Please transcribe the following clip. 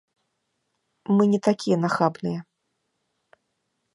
Мы не такія нахабныя.